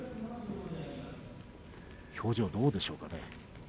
表情はどうでしょうかね。